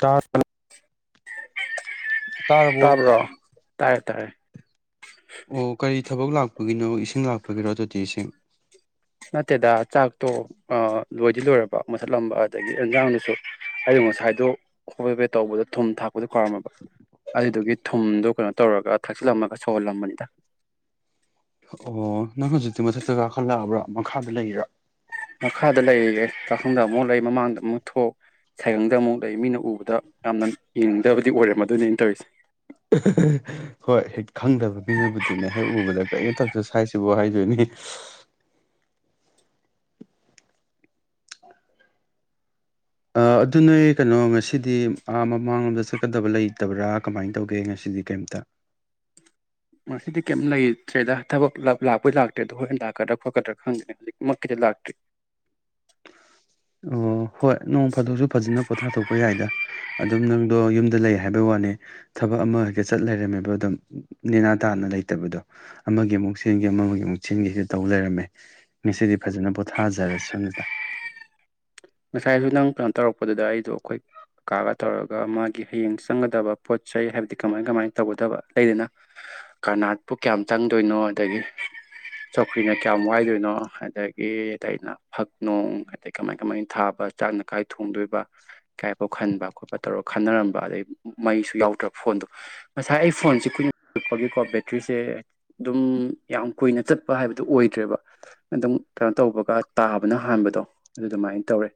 ꯇꯥꯔꯕꯣ ꯇꯥꯔꯕꯣ ꯇꯥꯕ꯭ꯔꯣ ꯇꯥꯔꯦ ꯇꯥꯔꯦ ꯑꯣ ꯀꯔꯤ ꯊꯕꯛ ꯂꯥꯛꯄ ꯄꯒꯤꯅꯣ ꯏꯁꯤꯡ ꯂꯥꯛꯄꯒꯤꯔꯣ ꯇꯣꯇꯤ ꯏꯁꯤꯡ ꯅꯠꯇꯦꯗ ꯆꯥꯛꯇꯣ ꯂꯣꯏꯗꯤ ꯂꯣꯏꯔꯕ ꯃꯨꯠꯊꯠꯂꯝꯕ ꯑꯗꯒꯤ ꯏꯟꯖꯥꯡꯗꯨꯁꯨ ꯑꯌꯨꯛ ꯉꯁꯥꯏꯗꯣ ꯍꯣꯄꯣꯏ ꯇꯧꯕꯗꯣ ꯊꯨꯝ ꯊꯥꯛ ꯗꯨ ꯀꯥꯎꯔꯝꯃꯕ ꯑꯗꯨꯗꯨꯒꯤ ꯊꯨꯝꯗꯣ ꯀꯩꯅꯣ ꯇꯧꯔꯒ ꯊꯥꯛꯆꯤꯜꯂꯝꯃꯒ ꯁꯧꯍꯜꯂꯝꯕꯅꯤꯗ ꯑꯣ ꯅꯪ ꯍꯧꯖꯤꯛꯇꯤ ꯃꯊꯛꯇ ꯀꯥꯈꯠꯂꯛꯑꯕ꯭ꯔꯥ ꯃꯈꯥꯗ ꯂꯩꯔꯥ ꯃꯈꯥꯗ ꯂꯩꯌꯦ ꯆꯥꯈꯨꯝꯗ ꯑꯃꯨꯛ ꯂꯩ ꯃꯃꯥꯡꯗ ꯑꯃꯨꯛ ꯊꯣꯛ ꯁꯥꯏꯒꯪꯗ ꯑꯃꯨꯛ ꯂꯩ ꯃꯤꯅ ꯎꯕꯗ ꯌꯥꯝꯅ ꯌꯦꯡꯅꯤꯡꯗꯕꯗꯤ ꯑꯣꯏꯔꯝꯅꯦ ꯑꯗꯨꯅꯦ ꯑꯩꯅ ꯇꯧꯔꯤꯁꯦ ꯍꯣꯏ ꯍꯦꯛ ꯈꯪꯗꯕ ꯃꯤꯅꯕꯨꯗꯤꯅꯦ ꯍꯦꯛ ꯎꯕꯗ ꯀꯔꯤꯝ ꯇꯧ ꯆꯥꯏꯁꯤꯕ ꯍꯥꯏꯗꯣꯏꯅꯤ ꯑꯗꯨ ꯅꯣꯏ ꯀꯩꯅꯣ ꯉꯁꯤꯗꯤ ꯃꯃꯥꯡꯂꯣꯝꯗ ꯆꯠꯀꯗꯕ ꯂꯩꯇꯕ꯭ꯔꯥ ꯀꯃꯥꯏꯅ ꯇꯧꯒꯦ ꯉꯁꯤꯗꯤ ꯀꯩꯝꯇ ꯉꯁꯤꯗꯤ ꯀꯔꯤꯝꯇ ꯂꯩꯇ꯭ꯔꯦꯗ ꯊꯕꯛ ꯂꯥꯛꯄꯩ ꯂꯥꯛꯇ꯭ꯔꯦ ꯑꯗꯣ ꯍꯣꯔꯦꯟ ꯂꯥꯛꯀꯗ꯭ꯔꯥ ꯈꯣꯠꯀꯗ꯭ꯔꯥ ꯈꯪꯗꯅꯤ ꯍꯧꯖꯤꯛꯃꯛꯀꯤꯗꯤ ꯂꯥꯛꯇ꯭ꯔꯤ ꯑꯣ ꯍꯣꯏ ꯅꯣꯡ ꯐꯥꯗꯣꯛꯁꯨ ꯐꯖꯅ ꯄꯣꯊꯥꯊꯣꯛꯄ ꯌꯥꯏꯗ ꯑꯗꯨꯝ ꯅꯪꯗꯣ ꯌꯨꯝꯗ ꯂꯩ ꯍꯥꯏꯕꯩ ꯋꯥꯅꯤ ꯊꯕꯛ ꯑꯃ ꯍꯦꯛꯇ ꯆꯠ ꯂꯩꯔꯝꯃꯦꯕ ꯑꯗꯨꯝ ꯅꯦꯅꯥ ꯇꯥꯅ ꯂꯩꯇꯕꯗꯣ ꯑꯃꯒꯤ ꯑꯃꯨꯛ ꯆꯦꯟꯒꯦ ꯑꯃꯒꯤ ꯑꯃꯨꯛ ꯆꯦꯟꯒꯦꯁ ꯇꯧ ꯂꯩꯔꯝꯃꯦ ꯉꯁꯤꯗꯤ ꯐꯖꯅ ꯄꯣꯊꯥꯖꯔꯁꯅꯨꯗ ꯉꯁꯥꯏꯁꯨ ꯅꯪ ꯀꯩꯅꯣ ꯇꯧꯔꯛꯄꯗꯨꯗ ꯑꯩꯗꯣ ꯑꯩꯈꯣꯏ ꯀꯀꯥꯒ ꯇꯧꯔꯒ ꯃꯥꯒꯤ ꯍꯌꯦꯡ ꯆꯪꯒꯗꯕ ꯄꯣꯠ ꯆꯩ ꯍꯥꯏꯕꯗꯤ ꯀꯃꯥꯏ ꯀꯃꯥꯏ ꯇꯧꯒꯗꯕ ꯂꯩꯗꯅ ꯀꯔꯅꯥꯠꯄꯨ ꯀꯌꯥꯝ ꯆꯪꯗꯣꯏꯅꯣ ꯑꯗꯒꯤ ꯆꯧꯀ꯭ꯔꯤꯅ ꯀꯌꯥꯝ ꯋꯥꯏꯗꯣꯏꯅꯣ ꯑꯗꯒꯤ ꯑꯇꯩꯅ ꯐꯛ ꯅꯨꯡ ꯑꯗꯩ ꯀꯃꯥꯏ ꯀꯃꯥꯏꯅ ꯊꯥꯕ ꯆꯥꯛꯅ ꯀꯥꯏ ꯊꯣꯡꯗꯣꯏꯕ ꯏꯀꯥꯏꯐꯥꯎ ꯈꯟꯕ ꯈꯣꯠꯄ ꯇꯧꯔ ꯈꯟꯅꯔꯝꯕ ꯑꯗꯩ ꯃꯩꯁꯨ ꯌꯥꯎꯗ꯭ꯔꯕ ꯐꯣꯟꯗꯣ ꯉꯁꯥꯏ ꯑꯩ ꯐꯣꯟꯁꯦ ꯀꯨꯏꯅ ꯆꯛꯄꯒꯤꯀꯣ ꯕꯦꯇ꯭ꯔꯤꯁꯦ ꯑꯗꯨꯝ ꯌꯥꯝ ꯀꯨꯏꯅ ꯆꯠꯄ ꯍꯥꯏꯕꯗꯨꯣ ꯑꯣꯏꯗ꯭ꯔꯦꯕ ꯑꯗꯨꯝ ꯀꯩꯅꯣ ꯇꯧꯕꯒ ꯇꯥꯕꯅ ꯍꯥꯟꯕꯗꯣ ꯑꯗꯨ ꯑꯗꯨꯃꯥꯏꯅ ꯇꯧꯔꯦ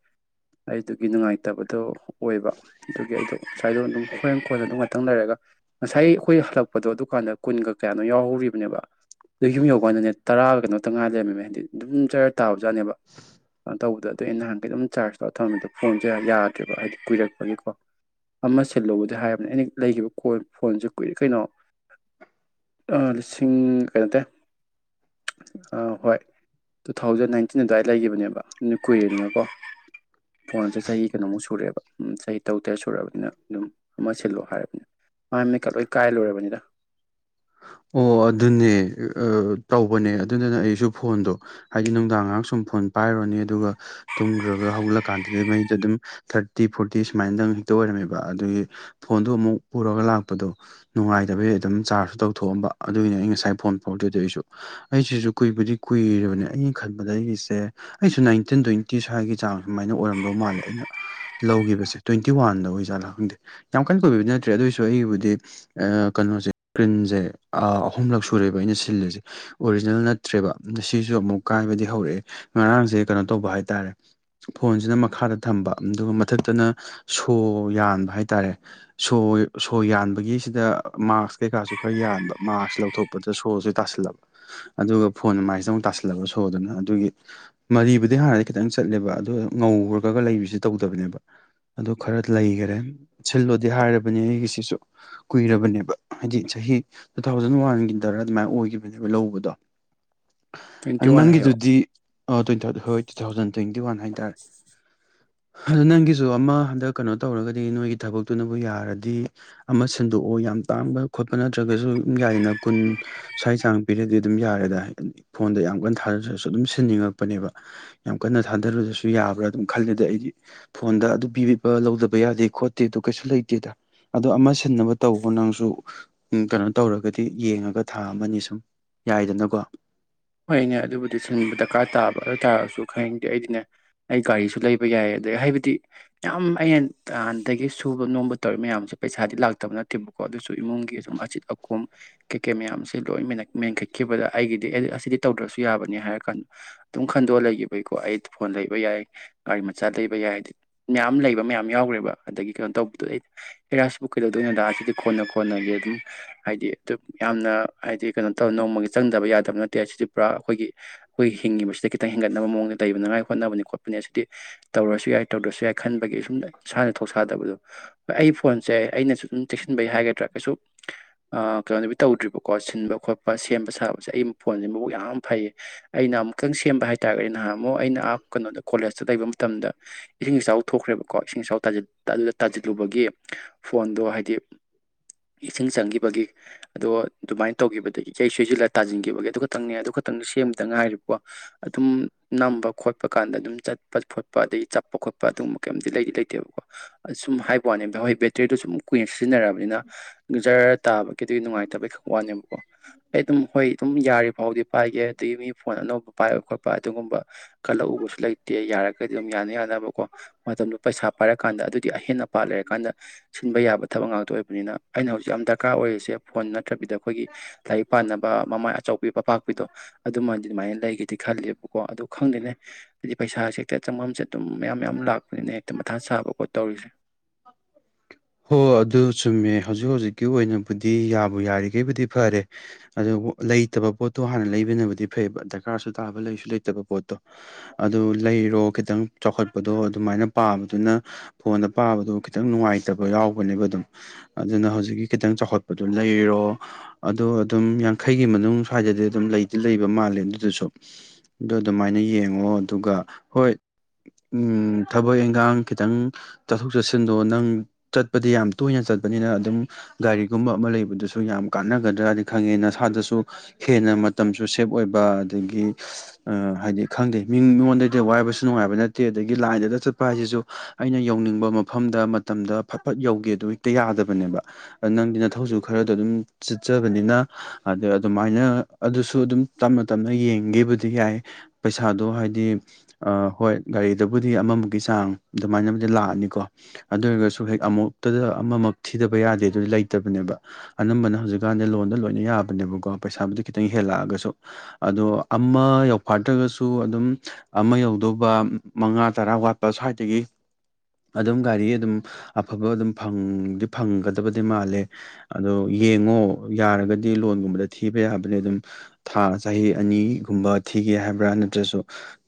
ꯑꯩꯗꯨꯒꯤ ꯅꯨꯡꯉꯥꯏꯇꯕꯗꯣ ꯑꯣꯏꯕ ꯑꯗꯨꯒꯤ ꯑꯩꯗꯣ ꯉꯁꯥꯏꯗꯣ ꯑꯗꯨꯝ ꯈꯣꯏ ꯈꯣꯏꯅ ꯑꯗꯨꯝ ꯉꯥꯛꯇꯪ ꯂꯩꯔꯒ ꯉꯁꯥꯏ ꯑꯩꯈꯣꯏ ꯍꯜꯂꯛꯄꯗꯣ ꯑꯗꯨꯀꯥꯟꯗ ꯀꯨꯟꯒ ꯀꯌꯥꯅꯣ ꯌꯥꯎꯍꯧꯔꯤꯕꯅꯦꯕ ꯑꯗꯨ ꯌꯨꯝ ꯌꯧꯀꯥꯟꯗꯅꯦ ꯇꯔꯥꯒ ꯀꯩꯅꯣ ꯇꯪ ꯉꯥꯏ ꯂꯩꯔꯝꯃꯦꯃꯦ ꯍꯥꯏꯗꯤ ꯑꯗꯨꯝ ꯆꯔ ꯇꯥꯕꯖꯥꯠꯅꯦꯕ ꯇꯧꯕꯗꯣ ꯑꯗꯨ ꯑꯩꯅ ꯅꯍꯥꯟ ꯑꯗꯨꯝ ꯆꯥꯔꯖ ꯇꯧꯔ ꯊꯝꯃꯦꯗ ꯐꯣꯟꯁꯦ ꯌꯥꯗ꯭ꯔꯦꯕ ꯍꯥꯏꯗꯤ ꯀꯨꯏꯔꯛꯄꯒꯤꯀꯣ ꯑꯃ ꯁꯤꯜꯂꯨꯕꯗꯤ ꯍꯥꯏꯔꯕꯅꯦ ꯑꯦꯅꯤ ꯂꯩꯈꯤꯕ ꯀꯣꯏ ꯐꯣꯟꯁꯦ ꯀꯨꯏꯔꯦ ꯀꯩꯅꯣ ꯂꯤꯁꯤꯡ ꯀꯩꯅꯣ ꯇꯦ ꯍꯣꯏ ꯇꯨ ꯊꯥꯎꯖꯟ ꯅꯥꯏꯟꯇꯤꯟ ꯑꯗꯨꯋꯥꯏꯗ ꯂꯩꯒꯤꯈꯤꯕꯅꯦꯕ ꯑꯗꯨ ꯀꯨꯏꯔꯅꯤꯅꯀꯣ ꯐꯣꯟꯁꯦ ꯆꯍꯤ ꯀꯩꯅꯣꯃꯨꯛ ꯁꯨꯔꯛꯑꯦꯕ ꯆꯍꯤ ꯇꯔꯨꯛ ꯇꯔꯦꯠ ꯁꯨꯔꯕꯅꯤꯅ ꯑꯗꯨꯝ ꯑꯃ ꯁꯤꯜꯂꯣ ꯍꯥꯏꯔꯕꯅꯤꯅ ꯃꯥ ꯃꯀꯂꯣꯏ ꯀꯥꯏ ꯂꯣꯏꯔꯕꯅꯤꯗ ꯑꯣ ꯑꯗꯨꯅꯦ ꯇꯧꯕꯅꯦ ꯑꯗꯨꯗꯨꯅ ꯑꯩꯁꯨ ꯐꯣꯟꯗꯣ ꯍꯥꯏꯗꯤ ꯅꯨꯡꯗꯥꯡ ꯉꯥꯏꯍꯥꯛ ꯁꯨꯝ ꯐꯣꯟ ꯄꯥꯏꯔꯨꯔꯅꯤ ꯑꯗꯨꯒ ꯇꯨꯝꯈ꯭ꯔꯒ ꯍꯧꯒꯠꯂꯀꯥꯟꯗꯗꯤ ꯃꯩꯗ ꯑꯗꯨꯝ ꯊꯥꯔꯇꯤ ꯐꯣꯔꯇꯤ ꯁꯨꯃꯥꯏꯅꯗꯪ ꯍꯦꯛꯇ ꯑꯣꯏꯔꯝꯃꯦꯕ ꯑꯗꯨꯒꯤ ꯐꯣꯟꯗꯣ ꯑꯃꯨꯛ ꯄꯨꯔꯒ ꯂꯥꯛꯄꯗꯣ ꯅꯨꯡꯉꯥꯏꯗꯕꯒꯤ ꯑꯗꯨꯝ ꯆꯥꯔꯖꯁꯨ ꯇꯧ ꯄꯨꯊꯣꯛꯑꯝꯕ ꯑꯗꯨꯏꯅꯦ ꯑꯩ ꯉꯁꯥꯏ ꯐꯣꯟ ꯐꯥꯎꯗꯣꯏꯗ ꯑꯩꯁꯨ ꯑꯩꯁꯤꯁꯨ ꯀꯨꯏꯕꯨꯗꯤ ꯀꯨꯏꯔꯕꯅꯦ ꯑꯩꯅ ꯈꯟꯕꯗ ꯑꯩꯒꯤꯁꯦ ꯑꯩꯁꯨ ꯅꯥꯏꯟꯇꯤꯟ ꯇ꯭ꯋꯦꯟꯇꯤ ꯁ꯭ꯋꯥꯏꯒꯤ ꯆꯥꯡ ꯁꯨꯃꯥꯏꯅ ꯑꯣꯏꯔꯝꯗꯧ ꯃꯥꯜꯂꯦ ꯑꯩꯅ ꯂꯧꯒꯤꯈꯤꯕꯁꯦ ꯇ꯭ꯋꯦꯟꯇꯤ ꯋꯥꯟꯗ ꯑꯣꯏ ꯖꯥꯠꯂꯥ ꯈꯪꯗꯦ ꯌꯥꯝ ꯀꯟꯅ ꯀꯨꯏꯕꯗꯤ ꯅꯠꯇ꯭ꯔꯦ ꯑꯗꯨꯑꯣꯏꯁꯨ ꯑꯩꯒꯤꯕꯨꯗꯤ ꯀꯩꯅꯣꯁꯦ ꯁꯀ꯭ꯔꯤꯟꯁꯦ ꯑꯍꯨꯝꯂꯛ ꯁꯨꯔꯦꯕ ꯑꯩꯅ ꯁꯤꯜꯂꯤꯁꯦ ꯑꯣꯔꯤꯖꯤꯅꯦꯜ ꯅꯠꯇ꯭ꯔꯦꯕ ꯑ ꯁꯤꯁꯨ ꯑꯃꯨꯛ ꯀꯥꯏꯕꯗꯤ ꯍꯧꯔꯛꯑꯦ ꯉꯔꯥꯡꯁꯦ ꯀꯩꯅꯣ ꯇꯧꯕ ꯍꯥꯏ ꯇꯥꯔꯦ ꯐꯣꯟꯁꯤꯅ ꯃꯈꯥꯗ ꯊꯝꯕ ꯑꯗꯨꯒ ꯃꯊꯛꯇꯅ ꯁꯣ ꯌꯥꯟꯕ ꯍꯥꯏ ꯇꯥꯔꯦ ꯁꯣ ꯁꯣ ꯌꯥꯟꯕꯒꯤꯁꯤꯗ ꯃꯥꯛꯁ ꯀꯩꯀꯥꯁꯨ ꯈꯔ ꯌꯥꯟ ꯃꯥꯔꯁ ꯂꯧꯊꯣꯛꯄꯗ ꯁꯣꯁꯦ ꯇꯥꯁꯤꯜꯂꯕ ꯑꯗꯨꯒ ꯐꯣꯟ ꯃꯥꯏꯁꯤꯗ ꯑꯃꯨꯛ ꯇꯁꯤꯜꯂꯕ ꯁꯣꯗꯨꯅ ꯑꯗꯨꯒꯤ ꯃꯔꯤꯕꯨꯗꯤ ꯍꯥꯟꯅꯗꯩ ꯈꯤꯇꯪ ꯆꯠꯂꯦꯕ ꯑꯗꯨ ꯉꯧꯔꯒꯒ ꯂꯩꯕꯁꯦ ꯇꯧꯗꯕꯅꯦꯕ ꯑꯗꯨ ꯈꯔ ꯂꯩꯈꯔꯦ ꯁꯤꯜꯂꯣꯗꯤ ꯍꯥꯏꯔꯕꯅꯦ ꯑꯩꯒꯤꯁꯤꯁꯨ ꯀꯨꯏꯔꯕꯅꯦꯕ ꯍꯥꯏꯗꯤ ꯆꯍꯤ ꯇꯨ ꯊꯥꯎꯖꯟ ꯋꯥꯟꯒꯤꯗꯔ ꯑꯗꯨꯃꯥꯏꯅ ꯑꯣꯏꯈꯤꯕꯅꯦꯕ ꯂꯧꯕꯗꯣ ꯇ꯭ꯋꯦꯟꯇꯤ ꯑꯗꯨꯣ ꯋꯥꯟ ꯍꯥꯏꯌꯣ ꯅꯪꯒꯤꯗꯨꯗꯤ ꯇ꯭ꯋꯦꯟ ꯍꯣꯏ ꯇꯨ ꯊꯥꯎꯖꯟ ꯇ꯭ꯋꯦꯟꯇꯤ ꯋꯥꯟ ꯍꯥꯏꯇꯥꯔꯦ ꯑꯗ ꯅꯪꯒꯤꯁꯨ ꯑꯃ ꯍꯟꯗꯛ ꯀꯩꯅꯣ ꯇꯧꯔꯒꯗꯤ ꯅꯣꯏꯒꯤ ꯊꯕꯛꯇꯨꯅꯕꯨ ꯌꯥꯔꯗꯤ ꯑꯃ ꯁꯤꯟꯗꯣꯛꯑꯣ ꯌꯥꯝ ꯇꯥꯡꯕ ꯈꯣꯠꯄ ꯅꯠꯇ꯭ꯔꯒꯁꯨ ꯌꯥꯗꯅꯣ ꯀꯨꯟ ꯁꯥꯏ ꯍꯛꯆꯥꯡ ꯄꯤꯔꯗꯤ ꯑꯗꯨꯝ ꯌꯥꯔꯦꯗ ꯐꯣꯟꯗ ꯌꯥꯝ ꯀꯟꯅ ꯊꯥꯗꯔꯁꯨ ꯑꯗꯨꯝ ꯁꯤꯟꯅꯤꯡꯉꯛꯄꯅꯦꯕ ꯌꯥꯝ ꯀꯟꯅ ꯊꯥꯗꯔꯨꯔꯁꯨ ꯌꯥꯕ꯭ꯔꯥ ꯑꯗꯨꯝ ꯈꯜꯂꯦꯗ ꯑꯩꯗꯤ ꯐꯣꯟꯗ ꯑꯗꯨ ꯄꯤꯕꯤꯕ ꯂꯧꯗꯕ ꯌꯥꯗꯦ ꯈꯣꯠꯇꯦ ꯑꯗꯨ ꯀꯩꯁꯨ ꯂꯩꯇꯦꯗ ꯑꯗꯣ ꯑꯃ ꯁꯤꯟꯅꯕ ꯇꯧꯕ ꯅꯪꯁꯨ ꯎ ꯀꯩꯅꯣ ꯇꯧꯔꯒꯗꯤ ꯌꯦꯡꯉꯒ ꯊꯥ ꯑꯃꯅꯤ ꯁꯨꯝ ꯌꯥꯏꯗꯅꯀꯣ ꯍꯣꯏꯅꯦ ꯑꯗꯨꯕꯨꯗꯤ ꯁꯤꯟꯕ ꯗꯔꯀꯥꯔ ꯇꯥꯕ ꯑꯗꯨ ꯑꯣꯏꯇꯥꯥꯔꯒꯁꯨ ꯈꯪꯅꯤꯡꯗꯦ ꯑꯩꯗꯤꯅꯦ ꯑꯩ ꯒꯥꯔꯤꯁꯨ ꯂꯩꯕ ꯌꯥꯏ ꯑꯗꯩ ꯍꯥꯏꯕꯗꯤ ꯌꯥꯝ ꯑꯩꯅ ꯇꯥꯟꯗꯒꯤ ꯁꯨꯕ ꯅꯣꯝꯕ ꯇꯧꯋ ꯃꯌꯥꯝꯁꯦ ꯄꯩꯁꯥꯗꯤ ꯂꯥꯛꯇꯕ ꯅꯠꯇꯦꯕꯀꯣ ꯑꯗꯨꯁꯨ ꯁ ꯏꯃꯨꯡꯒꯤ ꯑꯗꯨꯝ ꯑꯆꯤꯠ ꯑꯀꯣꯝ ꯀꯩꯀꯩ ꯃꯌꯥꯝꯁꯦ ꯂꯣꯏ ꯃꯦꯟꯈꯠꯈꯤꯕꯗ ꯑꯩꯒꯤꯗꯤ ꯑꯁꯤꯗꯤ ꯇꯧꯗ꯭ꯔꯁꯨ ꯌꯥꯕꯅꯤ ꯍꯥꯏꯔ ꯀꯥꯟꯗ ꯑꯗꯨꯝ ꯈꯟꯗꯣꯛꯑ ꯂꯩꯈꯤꯕꯒꯤꯀꯣ ꯑꯩ ꯐꯣꯟ ꯂꯩꯕ ꯌꯥꯏ ꯒꯥꯔꯤ ꯃꯆꯥ ꯂꯩꯕ ꯌꯥꯏ ꯍꯥꯏꯗꯤ ꯃꯌꯥꯝ ꯂꯩꯕ ꯃꯌꯥꯝ ꯌꯥꯎꯈ꯭ꯔꯦꯕ ꯑꯗꯒꯤ ꯀꯩꯅꯣ ꯇꯧꯕꯗꯨ ꯑꯩ ꯍꯔꯥꯁꯤꯕꯨ ꯀꯩꯗꯧꯗꯣꯏꯅꯣꯗ ꯁꯤꯗꯤ ꯀꯣꯟꯅ ꯈꯣꯟꯅꯒꯤ ꯑꯗꯨꯝ ꯍꯥꯏꯗꯤ ꯑꯗꯨ ꯌꯥꯝꯅ ꯍꯥꯏꯗꯤ ꯀꯩꯅꯣ ꯇꯧ ꯅꯣꯡꯃꯒꯤ ꯆꯪꯗꯕ ꯌꯥꯗꯕ ꯅꯠꯇꯦ ꯁꯤꯗꯤ ꯄꯨꯔꯥ ꯑꯩꯈꯣꯏꯒꯤ ꯑꯩꯈꯣꯏ ꯍꯤꯡꯉꯤꯕꯁꯤꯗ ꯈꯤꯇꯪ ꯍꯦꯟꯒꯠꯅꯕ ꯃꯑꯣꯡꯗ ꯂꯩꯕꯅꯉꯥꯏ ꯍꯣꯠꯅꯕꯅꯤ ꯈꯣꯠꯄꯅꯤ ꯑꯁꯤꯗꯤ ꯇꯧꯔꯁꯨ ꯌꯥꯏ ꯇꯧꯗ꯭ꯔꯁꯨ ꯌꯥꯏ ꯈꯟꯕꯒꯤ ꯁꯨꯝ ꯏꯁꯥꯅ ꯊꯣꯛꯁꯥꯗꯕꯗꯣ ꯑꯩ ꯐꯣꯟꯁꯦ ꯑꯩꯅꯁꯨ ꯑꯗꯨꯝ ꯆꯦꯛꯁꯤꯟꯕꯒꯤ ꯍꯥꯏꯒꯗ꯭ꯔꯥ ꯀꯩꯁꯨ ꯀꯩꯅꯣꯕꯤ ꯇꯧꯗ꯭ꯔꯤꯕꯀꯣ ꯁꯤꯟꯕ ꯈꯣꯠꯄ ꯁꯦꯝꯕ ꯁꯥꯕꯁꯦ ꯑꯩ ꯐꯣꯟꯁꯦ ꯌꯥꯝ ꯐꯩꯌꯦ ꯑꯩꯅ ꯑꯃꯨꯛꯇꯪ ꯁꯦꯝꯕ ꯍꯥꯏꯇꯥꯥꯔꯒꯗꯤ ꯅꯍꯥꯟ ꯑꯃꯨꯛ ꯑꯩꯅ ꯀꯩꯅꯣꯗ ꯀꯣꯂꯦꯖꯇ ꯂꯩꯕ ꯃꯇꯝꯗ ꯏꯁꯤꯡ ꯏꯆꯥꯎ ꯊꯣꯛꯈ꯭ꯔꯦꯕꯀꯣ ꯏꯁꯤꯡ ꯏꯆꯥꯎ ꯑꯗꯨꯗ ꯇꯥꯁꯤꯜꯂꯨꯕꯒꯤ ꯐꯣꯟꯗꯣ ꯍꯥꯏꯗꯤ ꯏꯁꯤꯡ ꯆꯪꯈꯤꯕꯒꯤ ꯑꯗꯣ ꯑꯗꯨꯃꯥꯏꯅ ꯇꯧꯈꯤꯕꯗ ꯏꯁꯩ ꯁꯣꯏꯁꯤꯜꯂꯒ ꯇꯥꯁꯤꯟꯈꯤꯕꯒꯤ ꯑꯗꯨꯒ ꯈꯇꯪꯅꯦ ꯑꯗꯨ ꯈꯛꯇꯪ ꯁꯦꯝꯗ ꯉꯥꯏꯔꯤꯕꯀꯣ ꯑꯗꯨꯝ ꯅꯝꯕ ꯈꯣꯠꯄ ꯀꯥꯟꯗ ꯑꯗꯨꯝ ꯆꯠ ꯈꯣꯠꯄ ꯑꯗꯒꯤ ꯆꯠꯄ ꯈꯣꯠꯄ ꯑꯗꯨꯒꯨꯝꯕ ꯀꯩꯝꯇꯗꯤ ꯂꯩꯗꯤ ꯂꯩꯇꯦꯕꯀꯣ ꯑ ꯁꯨꯝ ꯍꯥꯏꯕ ꯋꯥꯅꯦ ꯍꯣꯏ ꯕꯦꯇ꯭ꯔꯤꯗꯣ ꯁꯨꯝ ꯀꯨꯏꯅ ꯁꯤꯖꯤꯟꯅꯔꯕꯅꯤꯅ ꯖꯔ ꯇꯥꯕꯒꯤ ꯑꯗꯨ ꯅꯨꯡꯉꯥꯏꯇꯕꯒꯤ ꯈꯛ ꯋꯥꯅꯦꯕꯀꯣ ꯑꯩ ꯑꯗꯨꯝ ꯍꯣꯏ ꯑꯗꯨꯝ ꯌꯥ ꯐꯥꯎꯗꯤ ꯄꯥꯏꯒꯦ ꯑꯗꯒꯤ ꯃꯤ ꯐꯣꯟ ꯑꯅꯧꯕ ꯄꯥꯏꯕ ꯈꯣꯠꯄ ꯑꯗꯨꯒꯨꯝꯕ ꯈꯜꯂꯛꯎꯕꯁꯨ ꯂꯩꯇꯦ ꯌꯥꯔꯒꯗꯤ ꯌꯥꯅꯤ ꯌꯥꯅꯕꯀꯣ ꯃꯇꯝꯗꯨꯣ ꯄꯩꯁꯥ ꯍꯥꯏꯔ ꯀꯥꯟꯗ ꯑꯗꯨꯗꯤ ꯑꯍꯦꯟ ꯑꯄꯥꯠ ꯂꯩꯔꯀꯥꯟꯗ ꯁꯤꯟꯕ ꯌꯥꯕ ꯊꯕꯛ ꯉꯥꯛꯇ ꯑꯣꯏꯕꯅꯤꯅ ꯑꯩꯅ ꯍꯧꯖꯤꯛ ꯌꯥꯝ ꯗꯔꯀꯥꯔ ꯑꯣꯏꯔꯤꯁꯦ ꯐꯣꯟ ꯅꯠꯇ꯭ꯔꯕꯤꯗ ꯑꯩꯈꯣꯏꯒꯤ ꯂꯥꯏꯔꯤꯛ ꯄꯥꯅꯕ ꯃꯃꯥꯏ ꯑꯆꯧꯕ ꯄꯄꯥꯛꯄꯤꯗꯣ ꯑꯗꯨꯃꯗꯤ ꯑꯗꯨꯃꯥꯏꯅ ꯂꯩꯒꯗꯤ ꯈꯂꯦꯕꯀꯣ ꯑꯗꯨ ꯈꯪꯗꯦꯅꯦ ꯍꯥꯏꯗꯤ ꯄꯩꯁꯥꯁꯦ ꯍꯦꯛꯇ ꯆꯪꯐꯝ ꯆꯠ ꯑꯗꯨꯝ ꯃꯌꯥꯝ ꯃꯌꯥꯝ ꯂꯥꯛꯄꯅꯤꯅ ꯍꯦꯛꯇ ꯃꯊꯥ ꯁꯥꯕ ꯈꯣꯠ ꯇꯧꯔꯤꯁꯦ ꯍꯣ ꯑꯗꯨ ꯆꯨꯝꯃꯦ ꯍꯧꯖꯤꯛ ꯍꯧꯖꯤꯛꯀꯤ ꯑꯣꯏꯅꯕꯨꯗꯤ ꯌꯥꯕꯨ ꯌꯥꯔꯤꯈꯩꯕꯨꯗꯤ ꯐꯔꯦ ꯑꯗꯨꯣ ꯂꯩꯇꯕ ꯄꯣꯠꯇꯣ ꯍꯥꯟꯅ ꯂꯩꯕꯅꯕꯨꯗꯤ ꯐꯩꯕ ꯗꯔꯀꯥꯔꯁꯨ ꯇꯥꯕ ꯂꯩꯁꯨ ꯂꯩꯇꯕ ꯄꯣꯠꯇꯣ ꯑꯗꯨ ꯂꯩꯔꯣ ꯈꯤꯇꯪ ꯆꯥꯎꯈꯠ ꯗꯣ ꯑꯗꯨꯃꯥꯏꯅ ꯄꯥꯕꯗꯨꯅ ꯐꯣꯟꯗ ꯄꯥꯕꯗꯣ ꯈꯤꯇꯪ ꯅꯨꯡꯉꯥꯏꯇꯕ ꯌꯥꯎꯕꯅꯦꯕ ꯑꯗꯨꯝ ꯑꯗꯨꯅ ꯍꯧꯖꯤꯛꯀꯤ ꯈꯤꯇꯪ ꯆꯥꯎꯈꯠꯄꯗꯣ ꯂꯩꯔꯣ ꯑꯗꯣ ꯑꯗꯨꯝ ꯌꯥꯡꯈꯩꯒꯤ ꯃꯅꯨꯡ ꯁ꯭ꯋꯥꯏꯗꯗꯤ ꯑꯗꯨꯝ ꯂꯩꯗꯤ ꯂꯩꯕ ꯃꯥꯜꯂꯦ ꯑꯗꯨꯗꯨꯁꯨ ꯑꯗꯨꯣ ꯑꯗꯨꯃꯥꯏꯅ ꯌꯦꯡꯉꯣ ꯑꯗꯨꯒ ꯍꯣꯏ ꯊꯕꯛ ꯏꯟꯈꯥꯡ ꯈꯤꯇꯪ ꯆꯠꯊꯣꯛ ꯆꯠꯁꯤꯟꯗꯣ ꯅꯪ ꯆꯠꯄꯗꯤ ꯌꯥꯝ ꯇꯣꯏꯅ ꯆꯠꯄꯅꯤꯅ ꯑꯗꯨꯝ ꯒꯥꯔꯤꯒꯨꯝꯕ ꯑꯃ ꯂꯩꯕꯗꯨꯁꯨ ꯌꯥꯝ ꯀꯥꯟꯅꯒꯗ꯭ꯔꯥꯅ ꯈꯪꯉꯦ ꯅꯁꯥꯗꯁꯨ ꯍꯦꯟꯅ ꯃꯇꯝꯁꯨ ꯁꯦꯞ ꯑꯣꯏꯕ ꯑꯗꯒꯤ ꯍꯥꯏꯗꯤ ꯈꯪꯗꯦ ꯃꯤ ꯃꯤꯉꯣꯟꯗꯩꯗꯤ ꯋꯥꯏꯕꯁꯨ ꯅꯨꯡꯉꯥꯏꯕꯅ ꯆꯠꯇꯦ ꯑꯗꯒꯤ ꯂꯥꯏꯟꯗꯗ ꯆꯠꯄ ꯍꯥꯏꯁꯤꯁꯨ ꯑꯩꯅ ꯌꯧꯅꯤꯡꯕ ꯃꯐꯝꯗ ꯃꯇꯝꯗ ꯐꯠ ꯐꯠ ꯌꯧꯒꯦꯗꯣ ꯍꯦꯛꯇ ꯌꯥꯗꯕꯅꯦꯕ ꯅꯪꯗꯤ ꯅ ꯊꯧꯁꯨ ꯈꯔꯗ ꯑꯗꯨꯝ ꯆꯤꯠꯆꯕꯅꯤꯅ ꯑꯗ ꯑꯗꯨꯃꯥꯏꯅ ꯑꯗꯨꯁꯨ ꯑꯗꯨꯝ ꯇꯞꯅ ꯇꯞꯅ ꯌꯦꯡꯒꯦꯕꯨꯗꯤ ꯌꯥꯏ ꯄꯩꯁꯥꯗꯣ ꯍꯥꯏꯗꯤ ꯍꯣꯏ ꯒꯥꯔꯤꯗꯕꯨꯗꯤ ꯑꯃꯃꯨꯀꯤ ꯆꯥꯡ ꯑꯗꯨꯃꯥꯏꯅꯕꯨꯗꯤ ꯂꯥꯛꯑꯅꯤꯀꯣ ꯑꯗꯨ ꯑꯣꯏꯔꯒꯁꯨ ꯍꯦꯛ ꯑꯃꯨꯛꯇꯗ ꯑꯃꯃꯨ ꯊꯤꯗꯕ ꯌꯥꯗꯦ ꯑꯗꯨꯗꯤ ꯂꯩꯇꯕꯅꯦꯕ ꯑꯅꯝꯕꯅ ꯍꯧꯖꯤꯛꯀꯥꯟꯗ ꯂꯣꯟꯗ ꯂꯣꯏꯅ ꯌꯥꯕꯅꯦꯕꯀꯣ ꯄꯩꯁꯥꯕꯨꯗꯤ ꯈꯤꯇꯪ ꯍꯦꯜꯂꯛꯑꯒꯁꯨ ꯑꯗꯣ ꯑꯃ ꯌꯥꯧꯐꯥꯗ꯭ꯔꯒꯁꯨ ꯑꯗꯨꯝ ꯑꯃ ꯌꯧꯗꯧꯕ ꯃꯉꯥ ꯇꯔꯥ ꯋꯥꯠꯄ ꯁ꯭ꯋꯥꯏꯗꯒꯤ ꯑꯗꯨꯝ ꯒꯥꯔꯤ ꯑꯗꯨꯝ ꯑꯐꯕ ꯑꯗꯨꯝ ꯐꯪꯗꯤ ꯐꯪꯒꯗꯕꯗꯤ ꯃꯥꯜꯂꯦ ꯑꯗꯣ ꯌꯦꯡꯉꯣ ꯌꯥꯔꯒꯗꯤ ꯂꯣꯟꯒꯨꯝꯕꯗ ꯊꯤꯕ ꯌꯥꯕꯅꯦ ꯑꯗꯨꯝ ꯊꯥ ꯆꯍꯤ ꯑꯅꯤꯒꯨꯝꯕ ꯊꯤꯒꯦ ꯍꯥꯏꯕ꯭ꯔꯥ ꯅꯠꯇ꯭ꯔꯁꯨ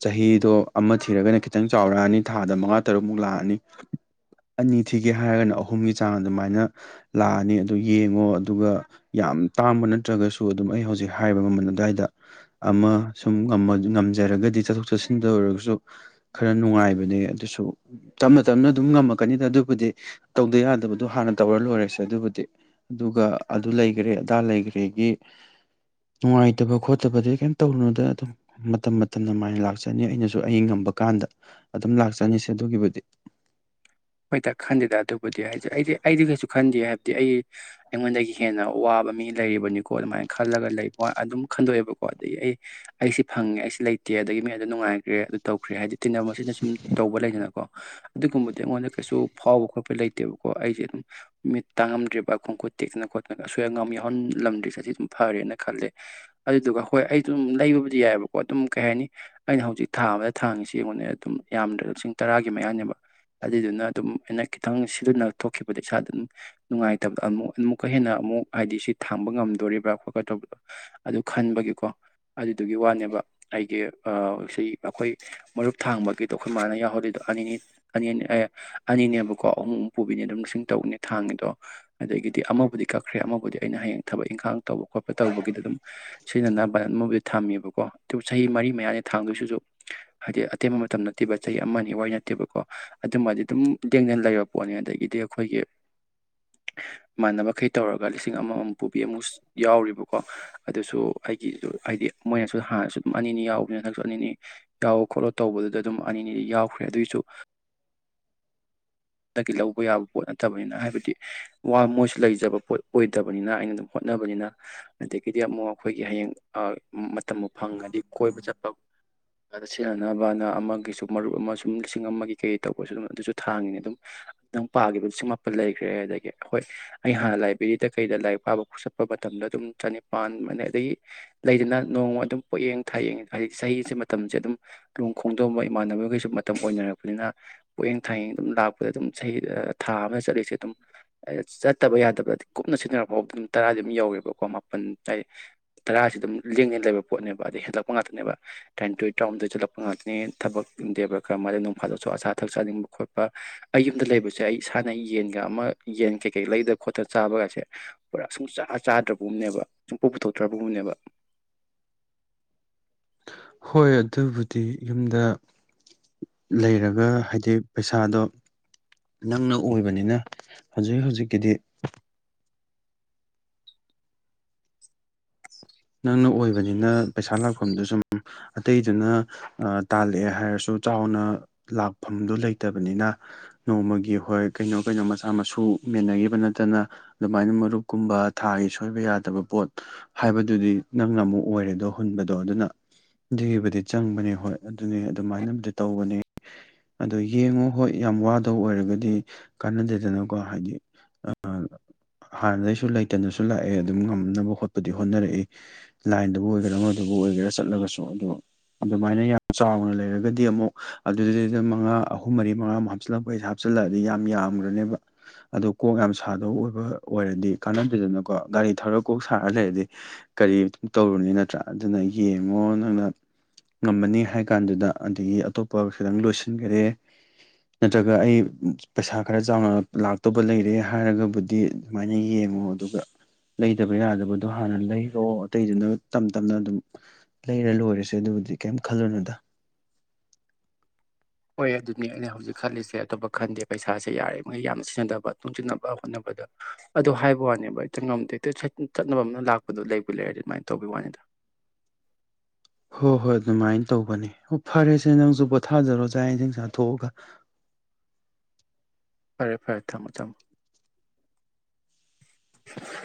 ꯆꯍꯤꯗꯣ ꯑꯃ ꯊꯤꯔꯒꯅ ꯈꯤꯇꯪ ꯆꯥꯎꯔꯛꯑꯅꯤ ꯊꯥꯗ ꯃꯉꯥ ꯇꯔꯨꯛꯃꯨꯛ ꯂꯥꯛꯑꯅꯤ ꯑꯅꯤ ꯊꯤꯒꯦ ꯍꯥꯏꯔꯒꯅ ꯑꯍꯨꯝꯒꯤ ꯆꯥꯡ ꯑꯗꯨꯃꯥꯏꯅ ꯂꯥꯛꯑꯅꯤ ꯑꯗꯨ ꯌꯦꯡꯉꯣ ꯑꯗꯨꯒ ꯌꯥꯝ ꯇꯥꯡꯕ ꯅꯠꯇ꯭ꯔꯒꯁꯨ ꯑꯗꯨꯝ ꯑꯩ ꯍꯧꯖꯤꯛ ꯍꯥꯏꯔꯤꯕ ꯃꯃꯜ ꯑꯗꯨꯋꯥꯏꯗ ꯑꯃ ꯁꯨꯝ ꯉꯝꯖꯔꯒꯗꯤ ꯆꯠꯊꯣꯛ ꯆꯠꯁꯤꯟꯗ ꯑꯣꯏꯔꯒꯁꯨ ꯈꯔ ꯅꯨꯡꯉꯥꯏꯕꯅꯦ ꯑꯗꯨꯁꯨ ꯇꯞꯅ ꯇꯞꯅ ꯑꯗꯨꯝ ꯉꯝꯃꯛꯀꯅꯤꯗ ꯑꯗꯨꯕꯨꯗꯤ ꯇꯧꯗ ꯌꯥꯗꯕꯗꯣ ꯍꯥꯟꯅ ꯇꯧꯔ ꯂꯣꯏꯔꯁꯦ ꯑꯗꯨꯕꯨꯗꯤ ꯑꯗꯨꯒ ꯑꯗꯨ ꯂꯩꯈ꯭ꯔꯦ ꯑꯗꯥ ꯂꯩꯈ꯭ꯔꯦꯒꯤ ꯅꯨꯡꯉꯥꯏꯇꯕ ꯈꯣꯠꯇꯕꯗꯤ ꯀꯩꯝ ꯇꯧꯔꯨꯅꯗ ꯑꯗꯨꯝ ꯃꯇꯝ ꯃꯇꯝ ꯅ ꯃꯥꯏꯅ ꯂꯥꯛꯆꯅꯤ ꯑꯩꯅꯁꯨ ꯑꯩ ꯉꯝꯕ ꯀꯥꯟꯗ ꯑꯗꯨꯝ ꯂꯥꯛꯆꯅꯤꯁꯦ ꯑꯗꯨꯒꯤꯕꯨꯗꯤ ꯍꯣꯏꯛꯇ ꯈꯟꯗꯦꯗ ꯑꯗꯨꯕꯨꯗꯤ ꯍꯥꯏꯁꯦ ꯑꯩꯗꯤ ꯑꯩꯗꯤ ꯀꯩꯁꯨꯦ ꯈꯟꯗꯦ ꯍꯥꯏꯕꯗꯤ ꯑꯩ ꯑꯩꯉꯣꯟꯗꯒꯤ ꯍꯦꯟꯅ ꯋꯥꯕ ꯃꯤ ꯂꯩꯔꯤꯕꯅꯤꯀꯣ ꯑꯗꯨꯃꯥꯏꯅ ꯈꯜꯂꯒ ꯂꯩꯕ ꯑꯗꯨꯝ ꯈꯟꯗꯣꯛꯑꯦꯕꯀꯣ ꯑꯗꯒꯤ ꯑꯩ ꯑꯩꯁꯤ ꯐꯪꯉꯦ ꯑꯩꯁꯤ ꯂꯩꯇꯦ ꯑꯗꯒꯤ ꯃꯤ ꯑꯗꯨ ꯅꯨꯡꯉꯥꯏꯈ꯭ꯔꯦ ꯑꯗꯨ ꯇꯧꯈ꯭ꯔꯦ ꯍꯥꯏꯗꯤ ꯇꯤꯟꯅ ꯑꯁꯤꯅ ꯁꯨꯝ ꯇꯧꯕ ꯂꯩꯗꯅꯀꯣ ꯑꯗꯨꯒꯨꯝꯕꯗꯣ ꯑꯩꯉꯣꯟꯗ ꯀꯩꯁꯨ ꯐꯥꯎꯕ ꯈꯣꯠꯄ ꯂꯩꯇꯦꯕꯀꯣ ꯑꯩꯁꯦ ꯑꯗꯨꯝ ꯃꯤꯠ ꯇꯥꯡꯉꯝꯗ꯭ꯦꯔꯤꯕ ꯈꯣꯡꯀꯨꯠ ꯇꯦꯛꯇꯅ ꯈꯣꯠꯇꯅ ꯑꯁꯣꯏ ꯑꯉꯝ ꯌꯥꯎꯍꯜꯂꯝꯗ꯭ꯔꯤꯁꯦ ꯁꯤ ꯑꯗꯨꯝ ꯐꯔꯦꯅ ꯈꯜꯂꯦ ꯑꯗꯨꯗꯨꯒ ꯍꯣꯏ ꯑꯩꯁꯨ ꯑꯗꯨꯝ ꯂꯩꯕꯕꯨꯗꯤ ꯌꯥꯏꯑꯕꯀꯣ ꯑꯗꯨꯝ ꯀꯩ ꯍꯥꯏꯅꯤ ꯑꯩꯅ ꯍꯧꯖꯤꯛ ꯊꯥ ꯑꯃꯗ ꯊꯥꯡꯉꯤꯁꯤ ꯌꯦꯡꯉꯣꯅꯦ ꯑꯗꯨꯝ ꯌꯥꯝꯗ꯭ꯔ ꯂꯤꯁꯤꯡ ꯇꯔꯥꯒꯤ ꯃꯌꯥꯅꯦꯕ ꯑꯗꯨꯏꯗꯨꯅ ꯑꯗꯨꯝ ꯑꯩꯅ ꯈꯤꯇꯪ ꯁꯤꯗꯨꯅ ꯊꯣꯛꯈꯤꯕꯗ ꯏꯁꯥꯗ ꯑꯗꯨꯝ ꯅꯨꯡꯉꯥꯏꯇꯕꯗꯣ ꯑꯃꯨꯛ ꯑꯃꯨꯛꯀ ꯍꯦꯟꯅ ꯑꯃꯨꯛ ꯍꯥꯏꯗꯤ ꯁꯤ ꯊꯥꯡꯕ ꯉꯝꯗꯣꯔꯤꯕ꯭ꯔꯥ ꯈꯣꯠꯀꯗꯧꯕꯗ ꯑꯗꯨ ꯈꯟꯕꯒꯤꯀꯣ ꯑꯗꯨꯗꯨꯒꯤ ꯋꯥꯅꯦꯕ ꯑꯩꯒꯤ ꯁꯤ ꯑꯩꯈꯣꯏ ꯃꯔꯨꯞ ꯊꯥꯡꯕꯒꯤꯗꯣ ꯑꯩꯈꯣꯏ ꯃꯥꯅ ꯌꯥꯎꯍꯜꯂꯤꯗꯣ ꯑꯅꯤ ꯑꯅꯤ ꯑꯅꯤꯅꯦꯕꯀꯣ ꯑꯍꯨꯝ ꯄꯨꯕꯤꯅꯦ ꯑꯗꯨꯝ ꯂꯤꯁꯤꯡ ꯇꯧꯅꯦ ꯊꯥꯡꯉꯤꯗꯣ ꯑꯗꯒꯤꯗꯤ ꯑꯃꯕꯨꯗꯤ ꯀꯛꯈ꯭ꯔꯦ ꯑꯃꯕꯨꯗꯤ ꯑꯩꯅ ꯍꯌꯦꯡ ꯊꯕꯛ ꯏꯪꯈꯥꯡ ꯇꯧꯕ ꯈꯣꯠꯄ ꯇꯧꯕꯒꯤ ꯑꯗꯨꯝ ꯁꯤꯅꯅꯕ ꯃ ꯊꯝꯃꯦꯕꯀꯣ ꯑꯗꯨ ꯆꯍꯤ ꯃꯔꯤ ꯃꯌꯥꯅꯤ ꯊꯥꯡꯗꯣꯏꯁꯤꯁꯨ ꯍꯥꯏꯗꯤ ꯑꯇꯦꯟꯕ ꯃꯇꯝ ꯅꯠꯇꯦꯕ ꯆꯍꯤ ꯑꯃꯅꯤ ꯋꯥꯔꯤ ꯅꯠꯇꯦꯕꯀꯣ ꯑꯗꯨꯃꯗꯤ ꯑꯗꯨꯝ ꯇꯦꯡꯗꯅ ꯂꯩꯕ ꯄꯣꯠꯅꯤ ꯑꯗꯒꯤꯗꯤ ꯑꯩꯈꯣꯏꯒꯤ ꯏꯃꯥꯟꯅꯕꯩ ꯇꯧꯔꯒ ꯂꯤꯁꯤꯡ ꯑꯃꯃꯝ ꯄꯨꯕꯤ ꯑꯃꯨꯛ ꯌꯥꯎꯔꯤꯕꯀꯣ ꯑꯗꯨꯁꯨ ꯑꯩꯒꯤꯗ ꯍꯥꯏꯗꯤ ꯃꯣꯏꯅꯁꯨ ꯍꯥꯟꯅꯁꯨ ꯑꯗꯨꯝ ꯑꯅꯤꯅꯤ ꯌꯥꯎꯕꯅꯤ ꯍꯟꯗꯛꯁꯨ ꯑꯅꯤꯅꯤ ꯌꯥꯎ ꯈꯣꯠꯂꯣ ꯇꯧꯕꯗꯨꯗ ꯑꯗꯨꯝ ꯑꯅꯤꯅꯤꯗꯤ ꯌꯥꯎꯈ꯭ꯔꯦ ꯑꯗꯨꯒꯤꯁꯨ ꯗꯒꯤ ꯂꯧꯕ ꯌꯥꯕ ꯄꯣꯠ ꯅꯠꯇꯕꯅꯤꯅ ꯍꯥꯏꯕꯗꯤ ꯋꯥ ꯃꯣꯏꯁꯨ ꯂꯩꯖꯕ ꯄꯣꯠ ꯑꯣꯏꯗꯕꯅꯤꯅ ꯑꯩꯅ ꯑꯗꯨꯝ ꯍꯣꯠꯅꯕꯅꯤꯅ ꯑꯗꯒꯤꯗꯤ ꯑꯃꯨꯛ ꯑꯩꯈꯣꯏꯒꯤ ꯍꯌꯦꯡ ꯃꯇꯝ ꯑꯃ ꯐꯪꯉꯗꯤ ꯀꯣꯏꯕ ꯆꯠꯄꯗ ꯁꯤꯖꯤꯟꯅꯅꯕꯅ ꯑꯃꯒꯤꯁꯨ ꯃꯔꯨꯞ ꯑꯃ ꯁꯨꯝ ꯂꯤꯁꯤꯡ ꯑꯃꯒꯤ ꯀꯩ ꯇꯧꯕꯁꯨ ꯑꯗꯨꯝ ꯑꯗꯨꯁꯨ ꯊꯥꯡꯉꯤꯅꯦ ꯑꯗꯨꯝ ꯄꯥꯒꯦ ꯂꯤꯁꯤꯡ ꯃꯥꯄꯟ ꯂꯩꯈ꯭ꯔꯦ ꯑꯗꯒꯤ ꯑꯩꯈꯣꯏ ꯑꯩ ꯍꯥꯟꯅ ꯂꯥꯏꯕ꯭ꯔꯦꯔꯤꯗ ꯀꯩꯗ ꯀꯥꯕꯠꯆꯠꯄ ꯃꯇꯝꯗ ꯑꯗꯨꯝ ꯆꯅꯤꯄꯥꯟ ꯑ ꯑꯗꯒꯤ ꯂꯩꯗꯅ ꯅꯣꯡꯃ ꯑꯗꯨꯝ ꯄꯛꯌꯦꯡ ꯊꯥꯏꯌꯦꯡ ꯍꯥꯏꯗꯤ ꯆꯍꯤꯁꯦ ꯃꯇꯝꯁꯦ ꯑꯗꯨꯝ ꯂꯅꯨꯡ ꯈꯣꯡꯗꯣꯡꯝꯕ ꯏꯃꯥꯟꯅꯕꯈꯩꯁꯨ ꯃꯇꯝ ꯑꯣꯏꯅꯔꯛꯄꯅꯤꯅ ꯄꯛꯌꯦꯡ ꯊꯥꯏꯌꯦꯡ ꯑꯗꯨꯝ ꯂꯥꯛꯄ ꯑꯗꯨꯝ ꯆꯍꯤ ꯊꯥ ꯑꯃꯗ ꯆꯠꯂꯤꯁꯦ ꯑꯗꯨꯝ ꯆꯠꯇꯕ ꯌꯥꯗꯕꯗ ꯀꯨꯞꯅ ꯁꯤꯖꯤꯟꯅꯔꯛ ꯐꯥꯎꯕꯗ ꯑꯗꯨꯝ ꯇꯔꯥꯗꯤ ꯑꯗꯨꯝ ꯌꯧꯋꯦꯕꯀꯣ ꯃꯥꯄꯜ ꯍꯥꯏꯗꯤ ꯇꯔꯥꯁꯤ ꯑꯗꯨꯝ ꯂꯦꯡꯉꯅ ꯂꯩꯕ ꯄꯣꯠꯅꯦꯕ ꯑꯗꯩ ꯍꯦꯜꯂꯛꯄ ꯉꯥꯛꯇꯅꯦꯕ ꯇ꯭ꯔꯦꯟ ꯇꯣꯏ ꯇꯔꯥꯍꯨꯝꯗꯣꯏ ꯆꯠꯂꯛꯄꯥꯛꯇꯅꯦ ꯊꯕꯛ ꯗꯦꯕ ꯈꯔ ꯃꯥ ꯅꯣꯡ ꯐꯥꯜꯗꯣꯛꯁꯨ ꯑꯆꯥ ꯑꯊꯛ ꯆꯥꯅꯤꯡꯕ ꯈꯣꯠꯄ ꯑꯩ ꯌꯨꯝꯗ ꯂꯩꯕꯁꯦ ꯑꯩ ꯏꯁꯥꯟꯅ ꯌꯦꯟꯒ ꯑꯃ ꯌꯦꯟ ꯀꯩꯀꯩ ꯂꯩꯗꯅ ꯈꯣꯠꯇꯅ ꯆꯥꯕꯒꯁꯦ ꯄꯨꯔꯥ ꯁꯨꯡ ꯆꯥꯗ꯭ꯔꯕꯒꯨꯝꯅꯦꯕ ꯁꯨꯝꯄ ꯄꯨꯊꯣꯛꯇ꯭ꯔꯕꯒꯨꯝꯅꯦꯕ ꯍꯣꯏ ꯑꯗꯨꯕꯨꯗꯤ ꯌꯨꯝꯗ ꯂꯩꯔꯒ ꯍꯥꯏꯗꯤ ꯄꯩꯁꯥꯗꯣ ꯅꯪꯅ ꯑꯣꯏꯕꯅꯤꯅ ꯍꯧꯖꯤꯛ ꯍꯧꯖꯤꯛꯀꯤꯗꯤ ꯅꯪꯅ ꯑꯣꯏꯕ ꯕꯅꯤꯅ ꯄꯩꯁꯥ ꯂꯥꯛꯐꯝꯗꯨ ꯁꯨꯝ ꯎ ꯑꯇꯩꯗꯨꯅ ꯇꯥꯜꯂꯛꯑꯦ ꯍꯥꯏꯔꯁꯨ ꯆꯥꯎꯅ ꯂꯥꯛꯐꯝꯗꯨ ꯂꯩꯇꯕꯅꯤꯅ ꯅꯣꯡꯃꯒꯤ ꯍꯣꯏ ꯀꯩꯅꯣ ꯀꯩꯅꯣ ꯃꯆꯥ ꯃꯁꯨ ꯃꯦꯟꯅꯈꯤꯕ ꯅꯠꯇꯅ ꯑꯗꯨꯃꯥꯏꯅ ꯃꯔꯨꯞꯀꯨꯝꯕ ꯊꯥꯒꯤ ꯁꯣꯏꯕ ꯌꯥꯗꯕ ꯄꯣꯠ ꯍꯥꯏꯕ ꯑꯗꯨꯗꯤ ꯅꯪꯅ ꯑꯃꯨꯛ ꯑꯣꯏꯔꯦꯗꯣ ꯍꯨꯟꯕꯗꯣ ꯑꯗꯨꯅ ꯑꯗꯨꯒꯤꯕꯨꯗꯤ ꯆꯪꯕꯅꯦ ꯍꯣꯏ ꯑꯗꯨꯅꯤ ꯑꯗꯨꯃꯥꯏꯅꯕꯨꯗꯤ ꯇꯧꯕꯅꯦ ꯑꯗꯣ ꯌꯦꯡꯉꯣ ꯍꯣꯏ ꯌꯥꯝ ꯋꯥꯗ ꯑꯣꯏꯔꯒꯗꯤ ꯀꯥꯟꯅꯗꯦꯗꯅꯀꯣ ꯍꯥꯏꯗꯤ ꯍꯥꯟꯅꯗꯩꯁꯨ ꯂꯩꯇꯅꯁꯨ ꯂꯥꯛꯑꯦ ꯑꯗꯨꯝ ꯉꯝꯅꯕ ꯍꯣꯠꯄꯗꯤ ꯍꯣꯠꯅꯔꯛꯏ ꯂꯥꯏꯟꯗꯨꯕꯨ ꯑꯣꯏꯒꯦꯔꯥ ꯃꯗꯨꯕꯨ ꯑꯣꯏꯒꯦꯔꯥ ꯆꯠꯂꯒꯁꯨ ꯑꯗꯨꯗꯣ ꯑꯗꯨꯃꯥꯏꯅ ꯌꯥꯝ ꯆꯥꯎꯅ ꯂꯩꯔꯒꯗꯤ ꯑꯃꯨꯛ ꯑꯗꯨꯗꯨꯗꯨꯩꯗ ꯃꯉꯥ ꯑꯍꯨꯝ ꯃꯔꯤ ꯃꯉꯥꯃꯨꯛ ꯍꯥꯞꯆꯤꯜꯂꯛꯄꯩꯁꯦ ꯍꯥꯞꯆꯤꯜꯂꯛꯑꯗꯤ ꯌꯥꯝ ꯌꯥꯝꯈ꯭ꯔꯅꯦꯕ ꯑꯗꯨ ꯀꯣꯛ ꯌꯥꯝ ꯁꯥꯗꯕ ꯑꯣꯏꯕ ꯑꯣꯏꯔꯗꯤ ꯀꯥꯟꯅꯕꯤꯗꯅꯀꯣ ꯒꯥꯔꯤ ꯊꯧꯔꯒ ꯀꯣꯛ ꯁꯥꯔ ꯂꯩꯔꯗꯤ ꯀꯔꯤ ꯇꯧꯔꯨꯅꯤ ꯅꯠꯇ꯭ꯔꯥ ꯑꯗꯨꯅ ꯌꯦꯡꯉꯣ ꯅꯪꯅ ꯉꯝꯃꯅꯤ ꯍꯥꯏ ꯀꯥꯟꯗꯨꯗ ꯑꯗꯒꯤ ꯑꯇꯣꯞꯄ ꯈꯤꯇꯪ ꯂꯣꯏꯁꯤꯟꯈꯔꯦ ꯅꯠꯇ꯭ꯔꯒ ꯑꯩ ꯄꯩꯁꯥ ꯈꯔ ꯆꯥꯎꯅ ꯂꯥꯛꯇꯧꯕ ꯂꯩꯔꯦ ꯍꯥꯏꯔꯒꯕꯨꯗꯤ ꯑꯗꯨꯃꯥꯏꯅ ꯌꯦꯡꯉꯣ ꯑꯗꯨꯒ ꯂꯩꯇꯕ ꯌꯥꯗꯕꯗꯣ ꯍꯥꯟꯅ ꯂꯩ ꯂ ꯑꯇꯩꯗꯨꯅ ꯇꯞ ꯇꯞꯅ ꯑꯗꯨꯝ ꯂꯩꯔ ꯂꯣꯏꯔꯁꯦ ꯑꯗꯨꯕꯨꯗꯤ ꯀꯔꯤꯝ ꯈꯜꯂꯨꯅꯨꯗ ꯍꯣꯏ ꯑꯗꯨꯅꯤ ꯑꯩꯅ ꯍꯧꯖꯤꯛ ꯈꯜꯂꯤꯁꯦ ꯑꯇꯣꯞꯄ ꯈꯟꯗꯦ ꯄꯩꯁꯥꯁꯦ ꯌꯥꯔꯉꯩ ꯌꯥꯝꯅ ꯁꯤꯖꯤꯟꯅꯗꯕ ꯇꯨꯡꯁꯤꯟꯅꯕ ꯍꯣꯠꯅꯕꯗ ꯑꯗꯨꯗ ꯍꯥꯏꯕ ꯋꯥꯅꯦꯕ ꯏꯛꯇꯪ ꯉꯝꯗꯦ ꯍꯦ ꯆꯠꯅꯕ ꯑꯃꯅ ꯂꯥꯛꯄꯗꯣ ꯂꯩꯕꯨ ꯂꯩꯔꯦ ꯑꯗꯨꯃꯥꯏꯅ ꯇꯧꯕꯤ ꯋꯥꯅꯤꯗ ꯍꯣꯏ ꯍꯣꯏ ꯑꯗꯨꯃꯥꯏꯅ ꯇꯧꯕꯅꯦ ꯑꯣ ꯐꯔꯦꯁꯦ ꯅꯪꯁꯨ ꯄꯣꯊꯥꯖꯔꯣ ꯆꯥꯛ ꯌꯦꯟꯁꯤꯡ ꯆꯥꯊꯣꯛꯑꯒ ꯐꯔꯦ ꯐꯔꯦ ꯊꯝꯃꯣ ꯊꯝꯃꯣ